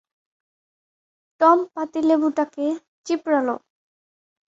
Tom পাতিলেবুটাকে চিপরালো।